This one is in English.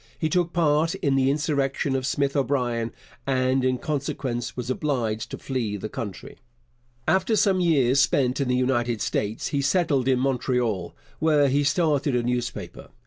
He took part in the insurrection of Smith O'Brien, and in consequence was obliged to flee the country. After some years spent in the United States, he settled in Montreal, where he started a newspaper.